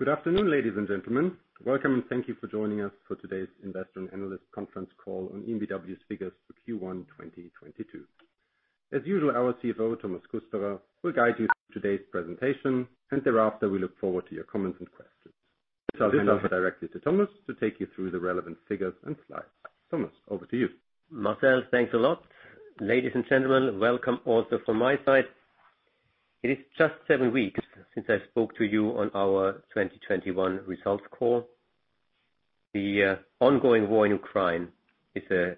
Good afternoon, ladies and gentlemen. Welcome, and thank you for joining us for today's investor and analyst conference call on EnBW's figures for Q1, 2022. As usual, our CFO, Thomas Kusterer, will guide you through today's presentation, and thereafter, we look forward to your comments and questions. I'll hand over directly to Thomas to take you through the relevant figures and slides. Thomas, over to you. Marcel, thanks a lot. Ladies and gentlemen, welcome also from my side. It is just seven weeks since I spoke to you on our 2021 results call. The ongoing war in Ukraine is a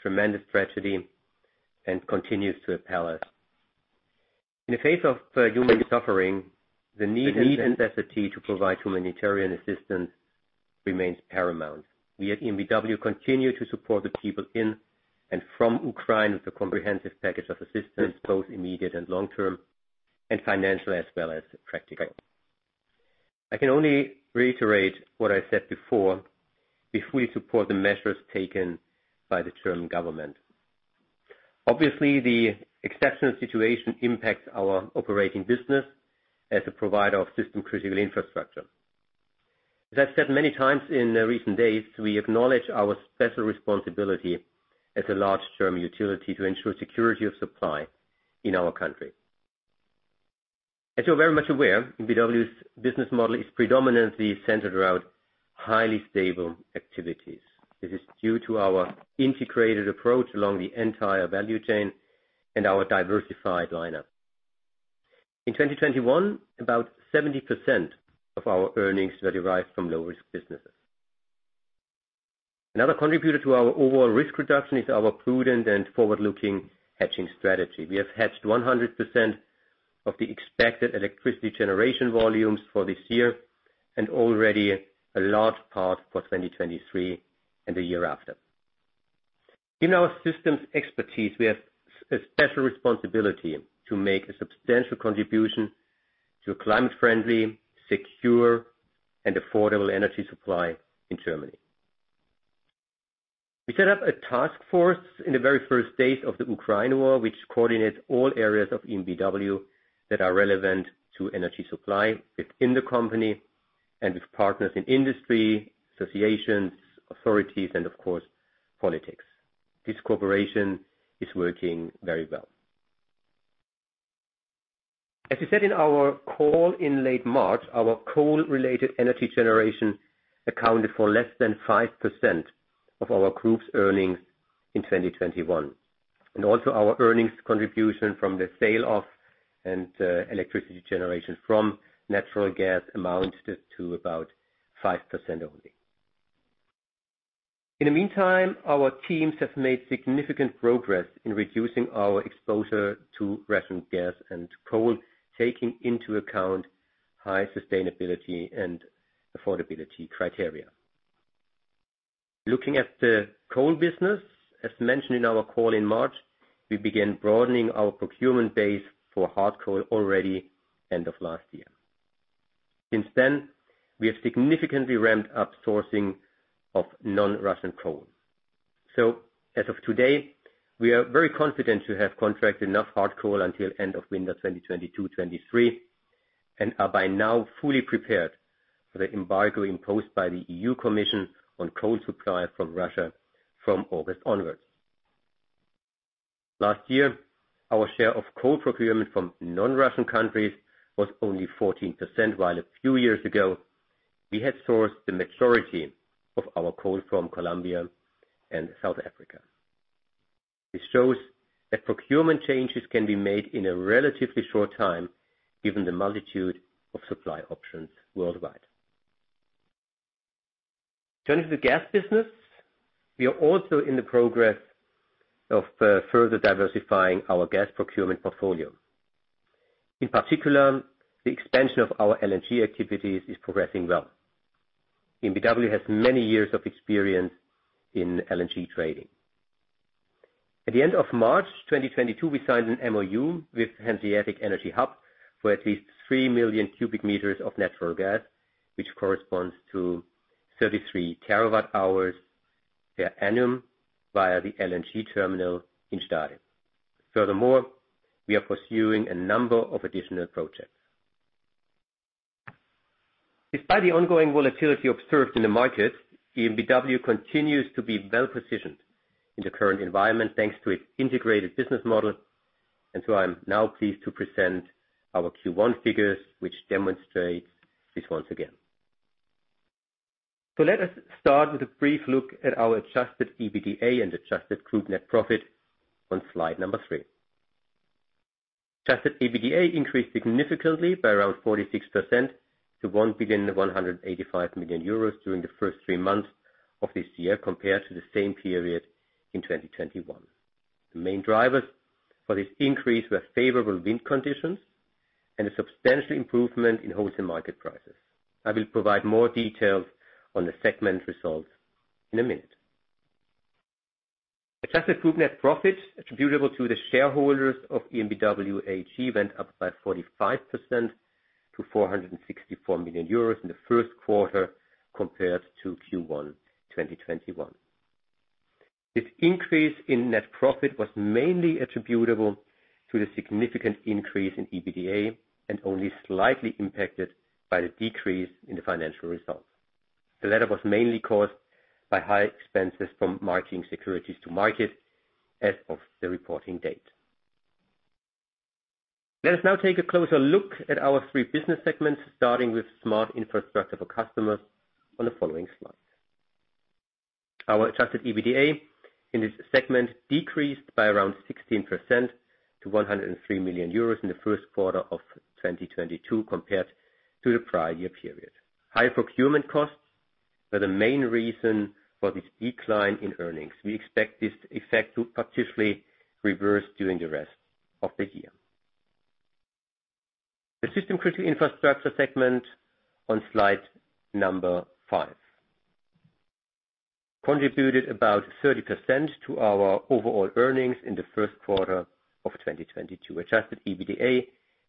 tremendous tragedy and continues to appall us. In the face of human suffering, the need and necessity to provide humanitarian assistance remains paramount. We at EnBW continue to support the people in and from Ukraine with a comprehensive package of assistance, both immediate and long-term, and financial as well as practical. I can only reiterate what I said before. We fully support the measures taken by the German government. Obviously, the exceptional situation impacts our operating business as a provider of System Critical Infrastructure. As I've said many times in recent days, we acknowledge our special responsibility as a large German utility to ensure security of supply in our country. As you're very much aware, EnBW's business model is predominantly centered around highly stable activities. This is due to our integrated approach along the entire value chain and our diversified lineup. In 2021, about 70% of our earnings were derived from low-risk businesses. Another contributor to our overall risk reduction is our prudent and forward-looking hedging strategy. We have hedged 100% of the expected electricity generation volumes for this year, and already a large part for 2023 and the year after. In our systems expertise, we have a special responsibility to make a substantial contribution to a climate friendly, secure, and affordable energy supply in Germany. We set up a task force in the very first days of the Ukraine war, which coordinates all areas of EnBW that are relevant to energy supply within the company and with partners in industry, associations, authorities, and of course, politics. This cooperation is working very well. As we said in our call in late March, our coal-related energy generation accounted for less than 5% of our group's earnings in 2021. Also our earnings contribution from the sale of gas and electricity generation from natural gas amounted to about 5% only. In the meantime, our teams have made significant progress in reducing our exposure to Russian gas and coal, taking into account high sustainability and affordability criteria. Looking at the coal business, as mentioned in our call in March, we began broadening our procurement base for hard coal already end of last year. Since then, we have significantly ramped up sourcing of non-Russian coal. As of today, we are very confident to have contracted enough hard coal until end of winter 2022-2023, and are by now fully prepared for the embargo imposed by the EU Commission on coal supply from Russia from August onwards. Last year, our share of coal procurement from non-Russian countries was only 14%, while a few years ago, we had sourced the majority of our coal from Colombia and South Africa. This shows that procurement changes can be made in a relatively short time, given the multitude of supply options worldwide. Turning to the gas business. We are also in progress of further diversifying our gas procurement portfolio. In particular, the expansion of our LNG activities is progressing well. EnBW has many years of experience in LNG trading. At the end of March 2022, we signed an MoU with Hanseatic Energy Hub for at least 3 billion cubic meters of natural gas, which corresponds to 33 TWh per annum via the LNG terminal in Stade. Furthermore, we are pursuing a number of additional projects. Despite the ongoing volatility observed in the market, EnBW continues to be well-positioned in the current environment, thanks to its integrated business model. I'm now pleased to present our Q1 figures, which demonstrate this once again. Let us start with a brief look at our adjusted EBITDA and adjusted Group net profit on slide 3. Adjusted EBITDA increased significantly by around 46% to 1,185 million euros during the first three months of this year compared to the same period in 2021. The main drivers for this increase were favorable wind conditions and a substantial improvement in wholesale market prices. I will provide more details on the segment results in a minute. Adjusted Group net profit attributable to the shareholders of EnBW AG went up by 45% to 464 million euros in the first quarter compared to Q1 2021. This increase in net profit was mainly attributable to the significant increase in EBITDA and only slightly impacted by the decrease in the financial results. The latter was mainly caused by high expenses from marking securities to market as of the reporting date. Let us now take a closer look at our three business segments, starting with Smart Infrastructure for Customers on the following slides. Our adjusted EBITDA in this segment decreased by around 16% to 103 million euros in the first quarter of 2022 compared to the prior year period. High procurement costs were the main reason for this decline in earnings. We expect this effect to partially reverse during the rest of the year. The System Critical Infrastructure segment on slide number 5 contributed about 30% to our overall earnings in the first quarter of 2022. Adjusted EBITDA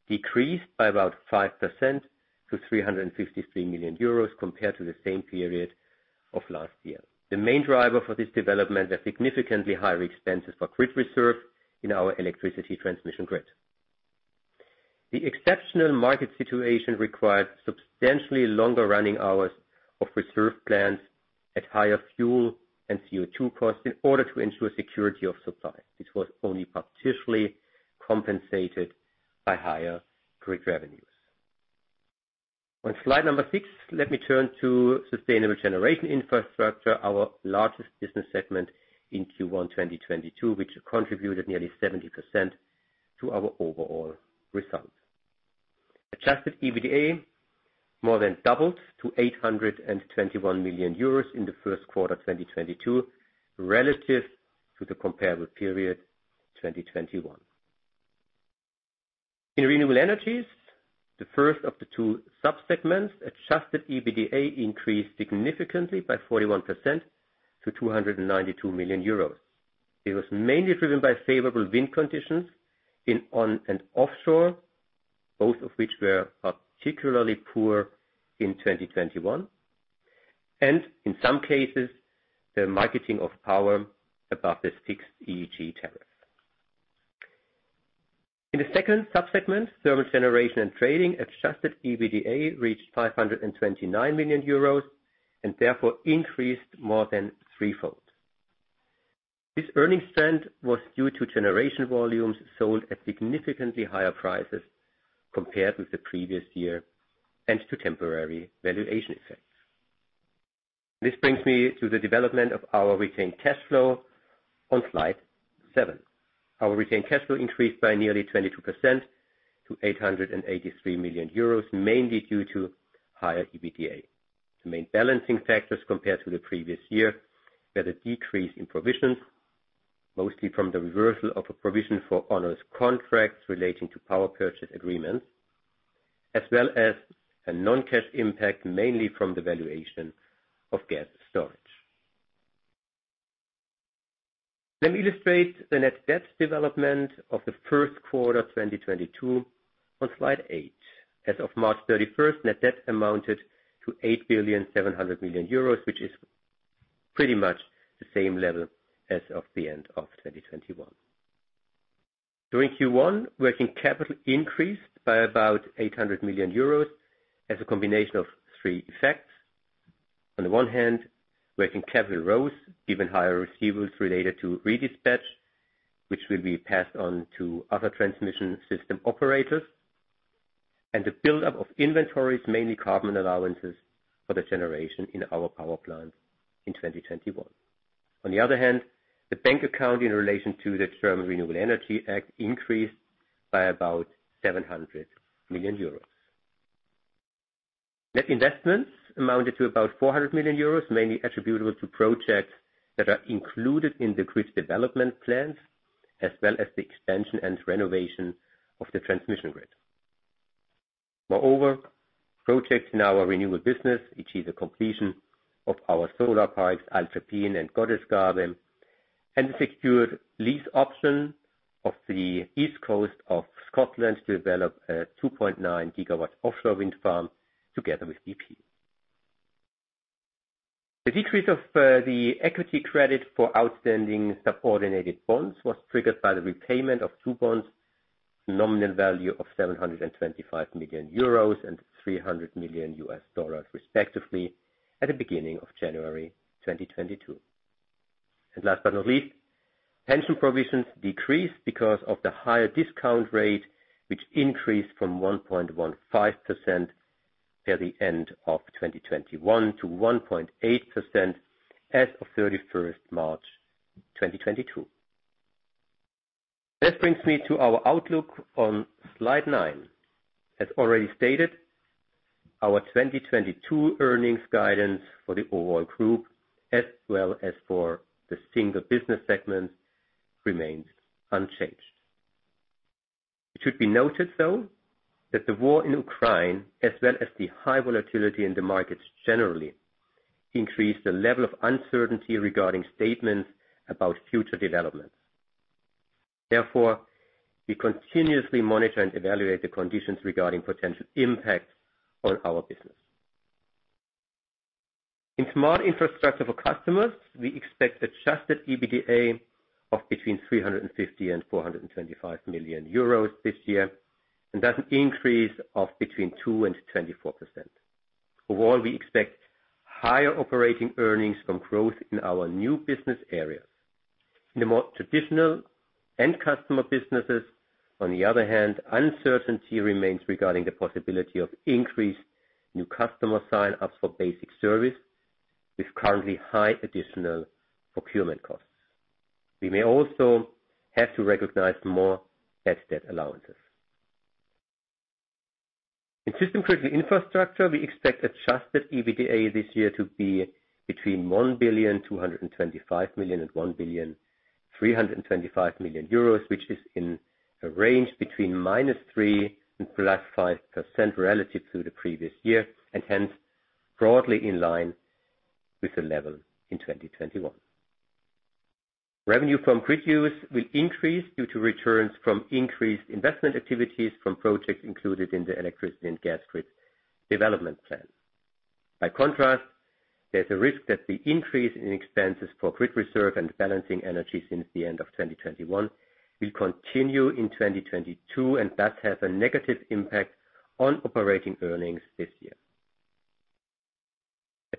decreased by about 5% to 353 million euros compared to the same period of last year. The main driver for this development are significantly higher expenses for grid reserve in our electricity transmission grid. The exceptional market situation required substantially longer running hours of reserve plans at higher fuel and CO2 costs in order to ensure security of supply, which was only partially compensated by higher grid revenues. On slide 6, let me turn to Sustainable Generation Infrastructure, our largest business segment in Q1 2022, which contributed nearly 70% to our overall results. Adjusted EBITDA more than doubled to 821 million euros in the first quarter 2022 relative to the comparable period, 2021. In renewable energies, the first of the two sub-segments, adjusted EBITDA increased significantly by 41% to 292 million euros. It was mainly driven by favorable wind conditions in onshore and offshore, both of which were particularly poor in 2021, and in some cases, the marketing of power above the fixed EEG tariff. In the second sub-segment, thermal generation and trading, adjusted EBITDA reached 529 million euros, and therefore increased more than threefold. This earnings trend was due to generation volumes sold at significantly higher prices compared with the previous year and to temporary valuation effects. This brings me to the development of our retained cash flow on slide 7. Our retained cash flow increased by nearly 22% to 883 million euros, mainly due to higher EBITDA. The main balancing factors compared to the previous year were the decrease in provisions, mostly from the reversal of a provision for onerous contracts relating to power purchase agreements, as well as a non-cash impact, mainly from the valuation of gas storage. Let me illustrate the net debt development of the first quarter 2022 on slide 8. As of March 31, net debt amounted to 8.7 billion, which is pretty much the same level as of the end of 2021. During Q1, working capital increased by about 800 million euros as a combination of three effects. On the one hand, working capital rose, given higher receivables related to redispatch, which will be passed on to other transmission system operators. The buildup of inventories, mainly carbon allowances for the generation in our power plant in 2021. On the other hand, the bank account in relation to the German Renewable Energy Act increased by about 700 million euros. Net investments amounted to about 400 million euros, mainly attributable to projects that are included in the grid development plans, as well as the expansion and renovation of the transmission grid. Moreover, projects in our renewable business achieve the completion of our solar parks, Alttrebbin and Gottesgabe, and secured lease option of the east coast of Scotland to develop a 2.9 GW offshore wind farm together with bp. The decrease of the equity credit for outstanding subordinated bonds was triggered by the repayment of two bonds, nominal value of 725 million euros and $300 million, respectively, at the beginning of January 2022. Last but not least, pension provisions decreased because of the higher discount rate, which increased from 1.15% at the end of 2021 to 1.8% as of 31st March 2022. This brings me to our outlook on slide 9. As already stated, our 2022 earnings guidance for the overall group, as well as for the single business segments, remains unchanged. It should be noted, though, that the war in Ukraine, as well as the high volatility in the markets generally, increased the level of uncertainty regarding statements about future developments. Therefore, we continuously monitor and evaluate the conditions regarding potential impacts on our business. In Smart Infrastructure for Customers, we expect adjusted EBITDA of between 350 million and 425 million euros this year. That's an increase of between 2% and 24%. Overall, we expect higher operating earnings from growth in our new business areas. In the more traditional end customer businesses, on the other hand, uncertainty remains regarding the possibility of increased new customer sign-ups for basic service with currently high additional procurement costs. We may also have to recognize more bad debt allowances. In System Critical Infrastructure, we expect adjusted EBITDA this year to be between 1.225 billion and 1.325 billion, which is in a range between -3% and +5% relative to the previous year, and hence broadly in line with the level in 2021. Revenue from grid use will increase due to returns from increased investment activities from projects included in the electricity and gas grid development plan. By contrast, there is a risk that the increase in expenses for grid reserve and balancing energy since the end of 2021 will continue in 2022, and that has a negative impact on operating earnings this year.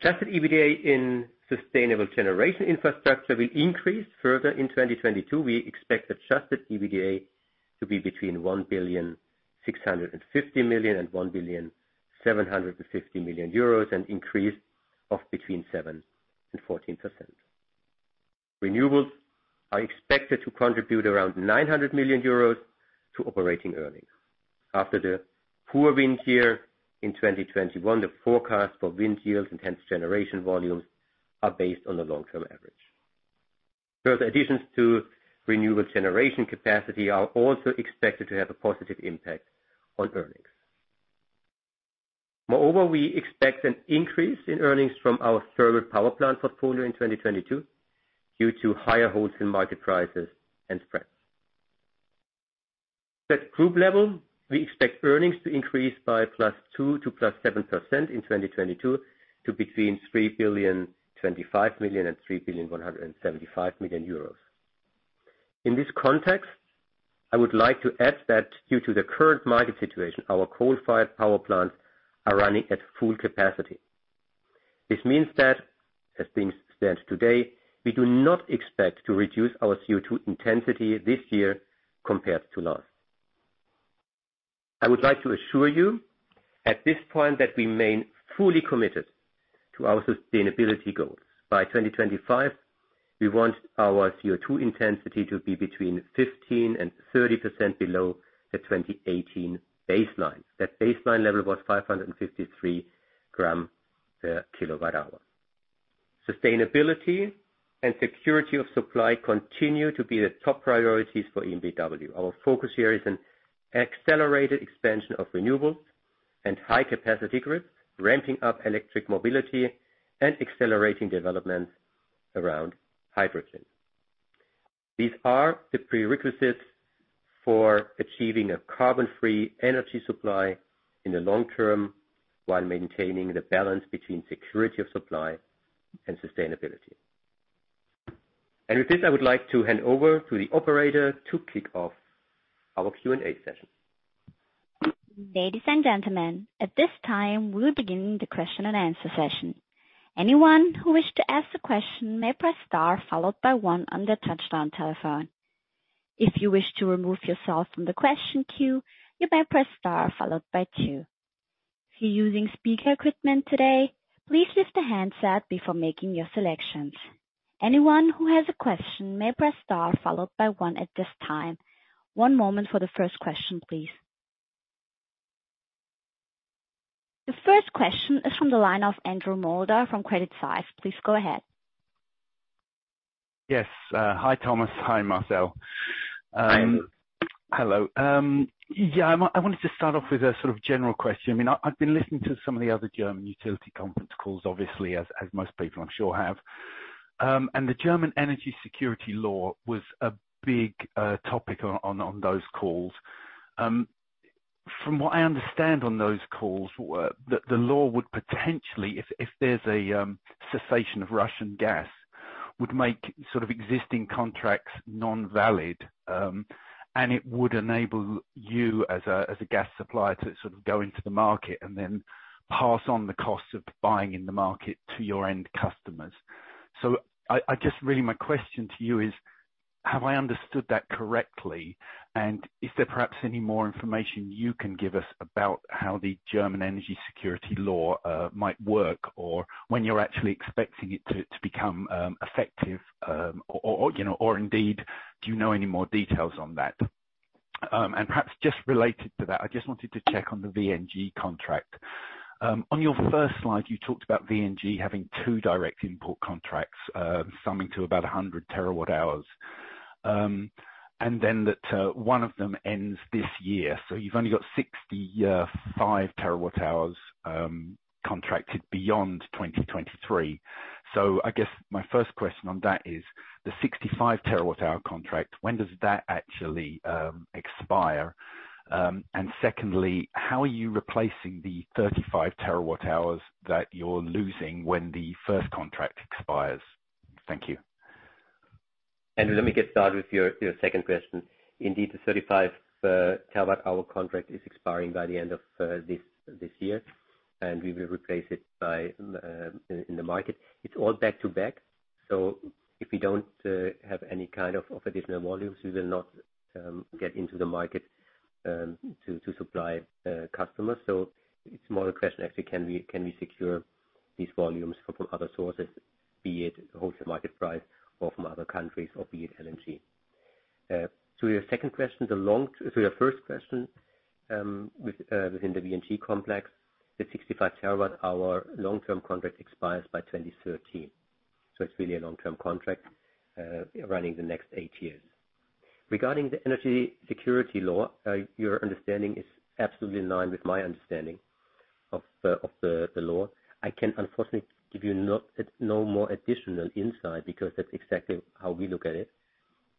Adjusted EBITDA in Sustainable Generation Infrastructure will increase further in 2022. We expect adjusted EBITDA to be between 1.65 billion and 1.75 billion, an increase of between 7% and 14%. Renewables are expected to contribute around 900 million euros to operating earnings. After the poor wind year in 2021, the forecast for wind yields and hence generation volumes are based on the long-term average. Further additions to renewable generation capacity are also expected to have a positive impact on earnings. Moreover, we expect an increase in earnings from our thermal power plant portfolio in 2022 due to higher wholesale market prices and spreads. At group level, we expect earnings to increase by +2% to +7% in 2022 to between 3.025 billion and 3.175 billion. In this context, I would like to add that due to the current market situation, our coal-fired power plants are running at full capacity. This means that, as things stand today, we do not expect to reduce our CO2 intensity this year compared to last. I would like to assure you at this point that we remain fully committed to our sustainability goals. By 2025, we want our CO2 intensity to be 15%-30% below the 2018 baseline. That baseline level was 553 g/kWh. Sustainability and security of supply continue to be the top priorities for EnBW. Our focus here is on accelerated expansion of renewables and high-capacity grids, ramping up electric mobility, and accelerating development around hydrogen. These are the prerequisites for achieving a carbon-free energy supply in the long term while maintaining the balance between security of supply and sustainability. With this, I would like to hand over to the operator to kick off our Q&A session. Ladies and gentlemen, at this time, we'll begin the question-and-answer session. Anyone who wishes to ask a question may press star followed by one on their touchtone telephone. If you wish to remove yourself from the question queue, you may press star followed by two. If you're using speaker equipment today, please lift the handset before making your selections. Anyone who has a question may press star followed by one at this time. One moment for the first question, please. The first question is from the line of Andrew Kuske from Credit Suisse. Please go ahead. Yes. Hi, Thomas. Hi, Marcel. Hi. Hello. Yeah. I wanted to start off with a sort of general question. I mean, I've been listening to some of the other German utility conference calls, obviously, as most people I'm sure have. The German energy security law was a big topic on those calls. From what I understand on those calls were that the law would potentially, if there's a cessation of Russian gas, would make sort of existing contracts non-valid, and it would enable you as a gas supplier to sort of go into the market and then pass on the costs of buying in the market to your end customers. I just really my question to you is, have I understood that correctly? Is there perhaps any more information you can give us about how the German energy security law might work, or when you're actually expecting it to become effective, or you know, or indeed, do you know any more details on that? Perhaps just related to that, I just wanted to check on the VNG contract. On your first slide, you talked about VNG having two direct import contracts, summing to about 100 terawatt-hours. Then that one of them ends this year. You have only got 65 terawatt-hours, contracted beyond 2023. I guess my first question on that is the 65 terawatt hour contract, when does that actually expire? Secondly, how are you replacing the 35 terawatt hours that you're losing when the first contract expires? Thank you. Let me get started with your second question. Indeed, the 35 terawatt hour contract is expiring by the end of this year, and we will replace it by buying in the market. It's all back to back. If we don't have any kind of additional volumes, we will not get into the market to supply customers. It's more a question actually can we secure these volumes from other sources, be it wholesale market price or from other countries or be it LNG. To your first question, within the VNG complex, the 65 terawatt hour long-term contract expires by 2013. It's really a long-term contract running the next 8 years. Regarding the energy security law, your understanding is absolutely in line with my understanding of the law. I can unfortunately give you no more additional insight because that's exactly how we look at it.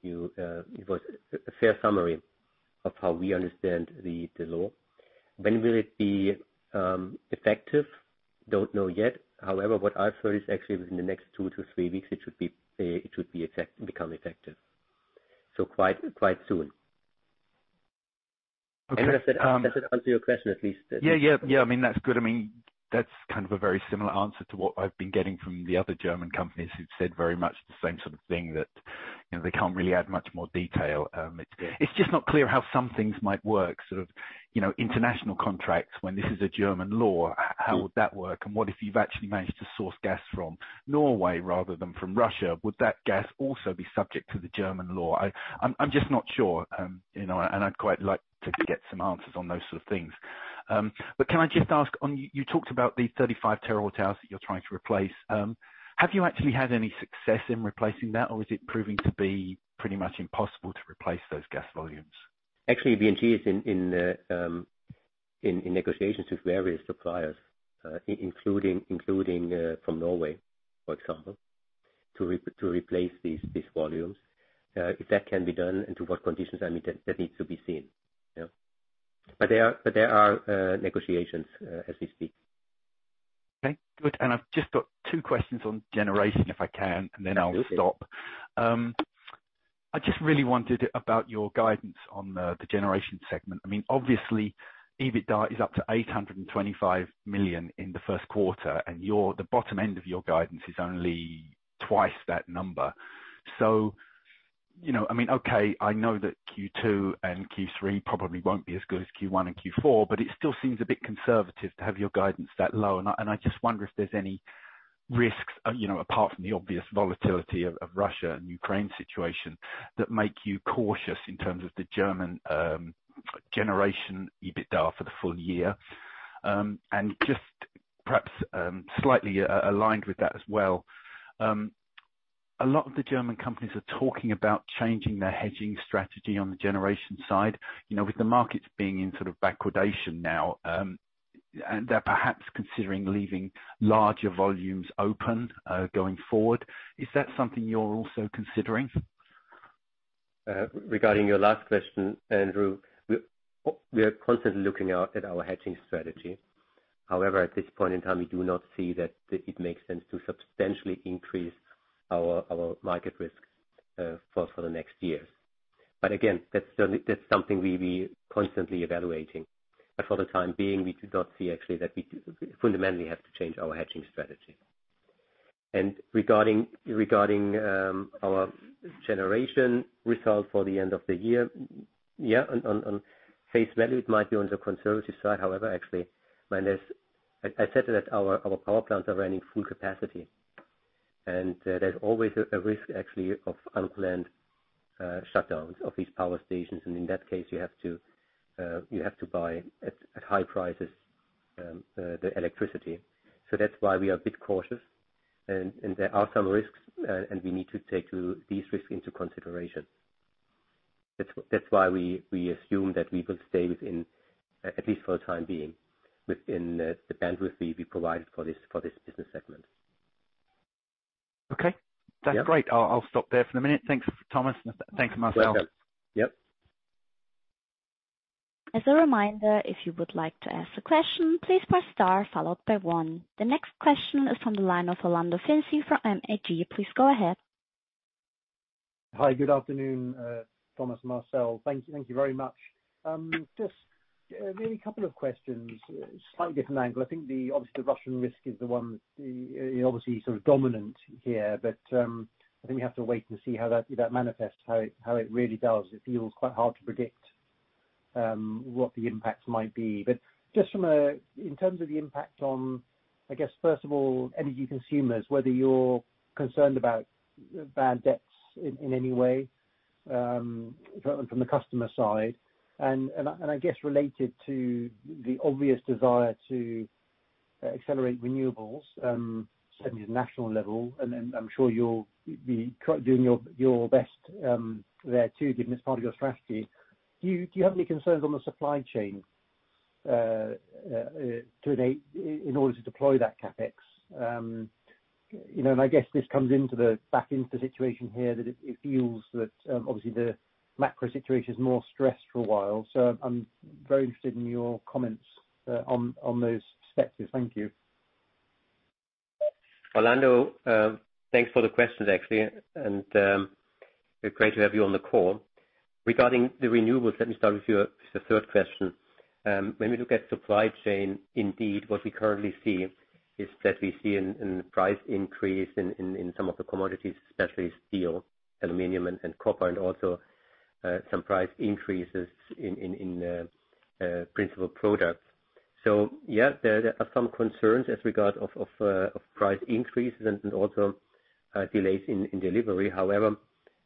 It was a fair summary of how we understand the law. When will it be effective? Don't know yet. However, what I've heard is actually within the next two to three weeks, it should become effective, so quite soon. Okay. Andrew, does that answer your question at least? Yeah, yeah. Yeah, I mean, that's good. I mean, that's kind of a very similar answer to what I've been getting from the other German companies who've said very much the same sort of thing that, you know, they can't really add much more detail. Yeah. It's just not clear how some things might work, sort of, you know, international contracts when this is a German law. How would that work? What if you've actually managed to source gas from Norway rather than from Russia? Would that gas also be subject to the German law? I'm just not sure. You know, I'd quite like to get some answers on those sort of things. But can I just ask, you talked about the 35 terawatt hours that you are trying to replace. Have you actually had any success in replacing that, or is it proving to be pretty much impossible to replace those gas volumes? Actually, VNG is in negotiations with various suppliers, including from Norway, for example, to replace these volumes. If that can be done and to what conditions, I mean, that needs to be seen. Yeah. There are negotiations as we speak. Okay, good. I have just got two questions on generation, if I can, and then I'll stop. Okay. I just really wondered about your guidance on the generation segment. I mean, obviously, EBITDA is up to 825 million in the first quarter, and the bottom end of your guidance is only twice that number. You know, I mean, okay, I know that Q2 and Q3 probably won't be as good as Q1 and Q4, but it still seems a bit conservative to have your guidance that low. I just wonder if there is any risks, you know, apart from the obvious volatility of Russia and Ukraine situation, that make you cautious in terms of the German generation EBITDA for the full year. Just perhaps slightly aligned with that as well. A lot of the German companies are talking about changing their hedging strategy on the generation side, you know, with the markets being in sort of backwardation now, and they are perhaps considering leaving larger volumes open, going forward. Is that something you are also considering? Regarding your last question, Andrew, we are constantly looking out at our hedging strategy. However, at this point in time, we do not see that it makes sense to substantially increase our market risk for the next years. Again, that's something we'll be constantly evaluating. For the time being, we do not see actually that we fundamentally have to change our hedging strategy. Regarding our generation result for the end of the year, on face value, it might be on the conservative side. However, actually, I said that our power plants are running full capacity, and there's always a risk actually of unplanned shutdowns of these power stations, and in that case, you have to buy at high prices the electricity. That's why we are a bit cautious and there are some risks and we need to take these risks into consideration. That's why we assume that we will stay within, at least for the time being, within the bandwidth we provided for this business segment. Okay. Yeah. That's great. I'll stop there for the minute. Thanks, Thomas. Thanks, Marcel. Welcome. Yep. As a reminder, if you would like to ask a question, please press star followed by one. The next question is from the line of Orlando Finzi from MAG. Please go ahead. Hi. Good afternoon, Thomas Kusterer and Marcel Münch. Thank you very much. Just maybe a couple of questions, slightly different angle. I think the obviously Russian risk is the one obviously sort of dominant here, but I think we have to wait and see how that manifests, how it really does. It feels quite hard to predict what the impacts might be. Just from a in terms of the impact on, I guess, first of all, energy consumers, whether you're concerned about bad debts in any way from the customer side, and I guess related to the obvious desire to accelerate renewables certainly at national level, and then I'm sure you'll be doing your best there too, given it's part of your strategy. Do you have any concerns on the supply chain in order to deploy that CapEx? You know, and I guess this comes back into the situation here that it feels that obviously the macro situation is more stressed for a while. I'm very interested in your comments on those aspects. Thank you. Orlando Finzi, thanks for the questions actually, and it's great to have you on the call. Regarding the renewables, let me start with your the third question. When we look at supply chain, indeed, what we currently see is that we see a price increase in some of the commodities, especially steel, aluminum, and copper, and also some price increases in principal products. So yeah, there are some concerns as regards price increases and also delays in delivery. However,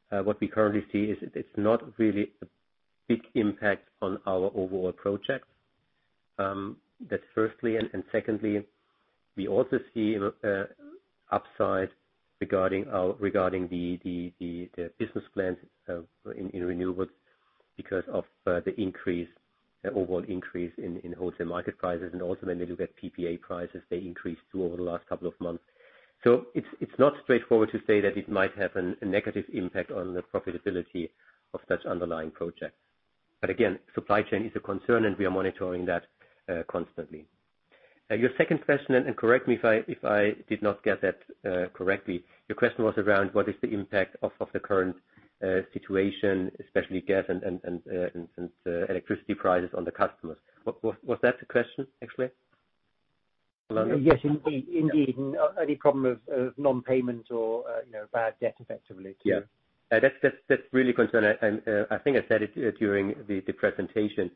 what we currently see is it's not really a big impact on our overall projects. That's firstly, and secondly, we also see upside regarding the business plans in renewables because of the increase. The overall increase in wholesale market prices. Also, when we look at PPA prices, they increased too over the last couple of months. It's not straightforward to say that it might have a negative impact on the profitability of such underlying projects. Again, supply chain is a concern, and we are monitoring that constantly. Your second question, correct me if I did not get that correctly. Your question was around what is the impact of the current situation, especially gas and electricity prices on the customers. Was that the question actually, Orlando? Yes, indeed. Any problem of non-payment or, you know, bad debt effectively to Yeah. That is really a concern. I think I said it during the presentation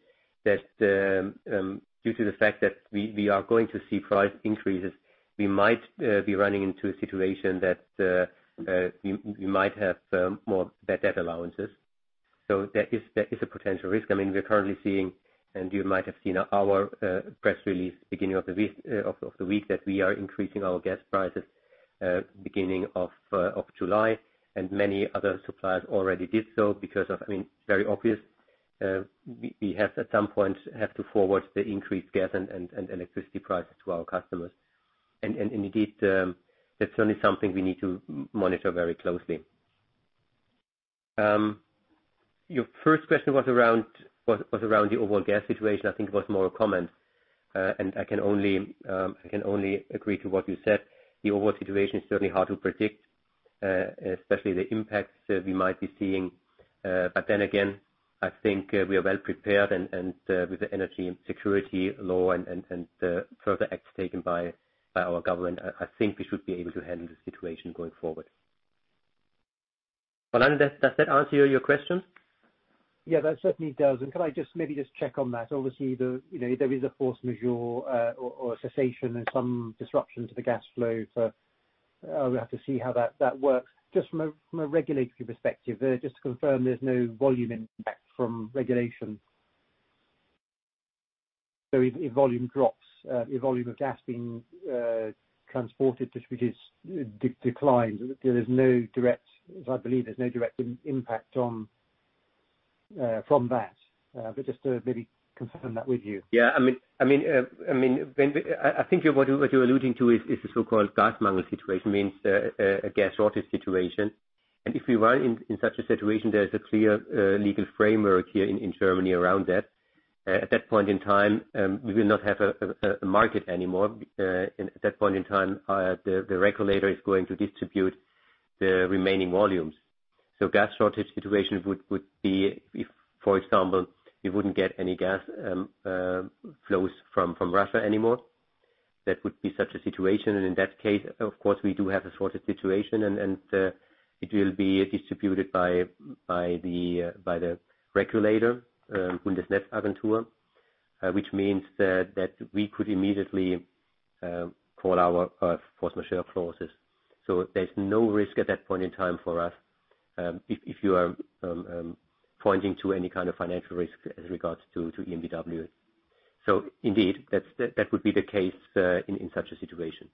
that due to the fact that we are going to see price increases, we might be running into a situation that we might have more bad debt allowances. So there is a potential risk. I mean, we are currently seeing, and you might have seen our press release beginning of the week that we are increasing our gas prices beginning of July. Many other suppliers already did so because of I mean, very obvious, we have at some point to forward the increased gas and electricity prices to our customers. Indeed, that's only something we need to monitor very closely. Your first question was around the overall gas situation. I think it was more a comment. I can only agree to what you said. The overall situation is certainly hard to predict, especially the impacts that we might be seeing. Again, I think we are well prepared and with the energy security law and the further acts taken by our government, I think we should be able to handle the situation going forward. Orlando, does that answer your question? Yeah, that certainly does. Can I just maybe just check on that? Obviously, you know, there is a force majeure or a cessation and some disruption to the gas flow. We have to see how that works. Just from a regulatory perspective there, just to confirm there's no volume impact from regulation. If volume drops, if volume of gas being transported, which is declined, there's no direct impact. I believe there's no direct impact on from that. Just to maybe confirm that with you. Yeah, I mean, I think what you are alluding to is the so-called Gasmangellage situation, means a gas shortage situation. If we were in such a situation, there is a clear legal framework here in Germany around that. At that point in time, we will not have a market anymore. At that point in time, the regulator is going to distribute the remaining volumes. Gas shortage situation would be if, for example, we wouldn't get any gas flows from Russia anymore. That would be such a situation. In that case, of course, we do have a shortage situation and it will be distributed by the regulator, Bundesnetzagentur, which means that we could immediately call our force majeure clauses. There's no risk at that point in time for us, if you are pointing to any kind of financial risk as regards to EnBW. Indeed, that would be the case in such a situation.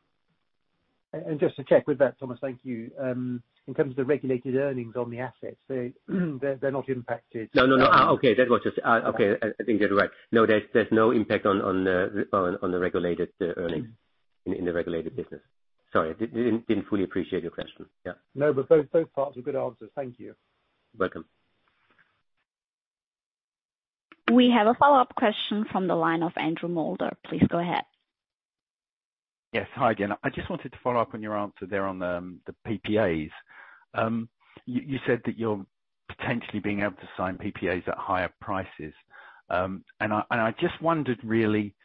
Just to check with that, Thomas, thank you. In terms of the regulated earnings on the assets, they're not impacted. No. Okay. I think you're right. No, there's no impact on the regulated earnings in the regulated business. Sorry, I didn't fully appreciate your question. Yeah. No, but both parts are good answers. Thank you. Welcome. We have a follow-up question from the line of Andrew Kuske. Please go ahead. Yes. Hi again. I just wanted to follow up on your answer there on the PPAs. You said that you are potentially being able to sign PPAs at higher prices. I just wondered really,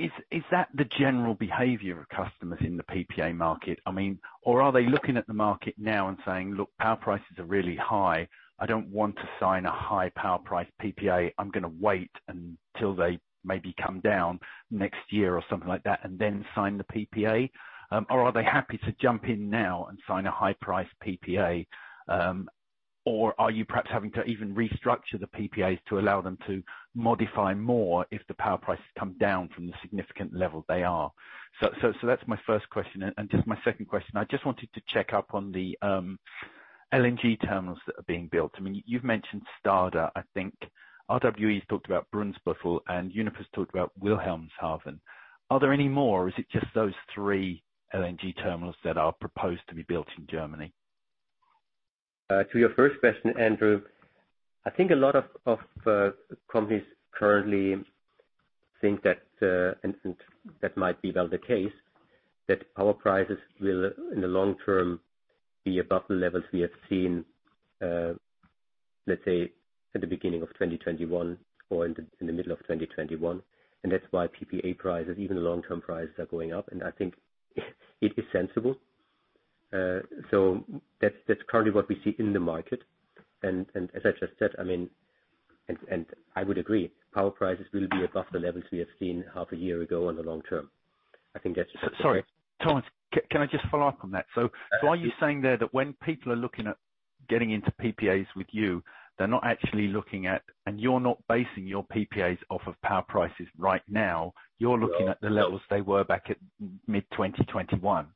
is that the general behavior of customers in the PPA market? I mean. Or are they looking at the market now and saying, "Look, power prices are really high. I don't want to sign a high power price PPA. I'm gonna wait until they maybe come down next year," or something like that, and then sign the PPA? Or are they happy to jump in now and sign a high price PPA? Or are you perhaps having to even restructure the PPAs to allow them to modify more if the power prices come down from the significant level they are? That's my first question. Just my second question, I just wanted to check up on the LNG terminals that are being built. I mean, you've mentioned Stade, I think RWE's talked about Brunsbüttel, and Uniper's talked about Wilhelmshaven. Are there any more or is it just those three LNG terminals that are proposed to be built in Germany? To your first question, Andrew, I think a lot of companies currently think that, and that might be well the case, that our prices will, in the long term, be above the levels we have seen, let's say at the beginning of 2021 or in the middle of 2021. That's why PPA prices, even long-term prices, are going up. I think it is sensible. So that's currently what we see in the market. As I just said, I mean, I would agree, power prices will be above the levels we have seen half a year ago in the long term. I think that's. Sorry, Thomas, can I just follow up on that? Are you saying there that when people are looking at getting into PPAs with you, they are not actually looking at, and you're not basing your PPAs off of power prices right now, you're looking at the levels they were back at mid-2021.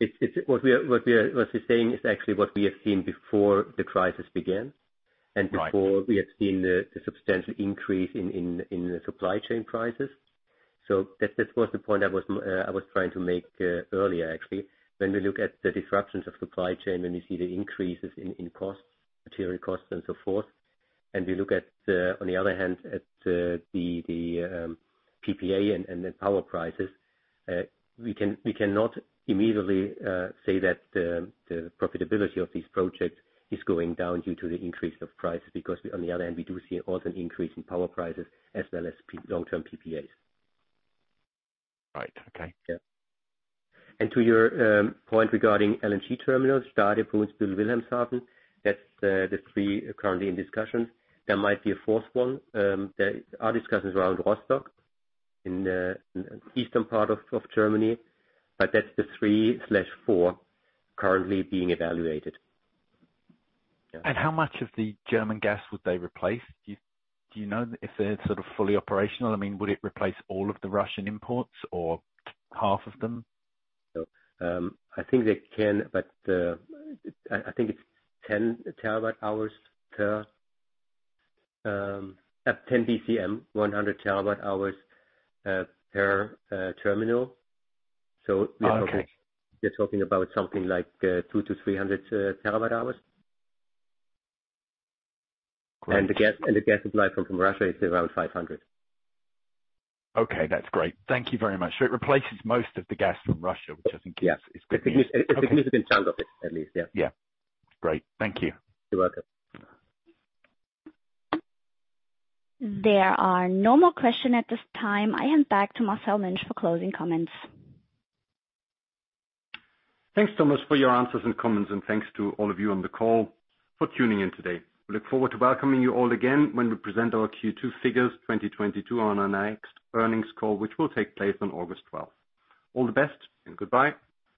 It's what we are saying is actually what we have seen before the crisis began. Right. Before we have seen the substantial increase in the supply chain prices. That was the point I was trying to make earlier actually. When we look at the disruptions of supply chain, when we see the increases in costs, material costs and so forth, and we look at, on the other hand at, the PPA and the power prices, we can, we cannot immediately say that the profitability of these projects is going down due to the increase of price. Because on the other hand, we do see also an increase in power prices as well as long-term PPAs. Right. Okay. Yeah. To your point regarding LNG terminals, Stade, Brunsbüttel, Wilhelmshaven, that's the three currently in discussions. There might be a fourth one. There are discussions around Rostock in the eastern part of Germany, but that's the three slash four currently being evaluated. Yeah. How much of the German gas would they replace? Do you know if they're sort of fully operational? I mean, would it replace all of the Russian imports or half of them? I think they can, but I think it's 10 terawatt-hours per 10 BCM, 100 terawatt-hours per terminal. Okay. We're talking about something like 200-300 TWh. Great. The gas supply from Russia is around 500. Okay. That's great. Thank you very much. It replaces most of the gas from Russia, which I think. Yes. Is good news. It's the good news in terms of it, at least, yeah. Yeah. Great. Thank you. You're welcome. There are no more questions at this time. I hand back to Marcel Münch for closing comments. Thanks, Thomas, for your answers and comments, and thanks to all of you on the call for tuning in today. We look forward to welcoming you all again when we present our Q2 figures 2022 on our next earnings call, which will take place on August twelfth. All the best and goodbye.